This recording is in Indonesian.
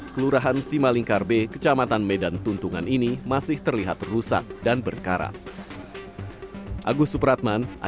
kelurahan simalingkar b kecamatan medan tuntungan ini masih terlihat rusak dan berkarak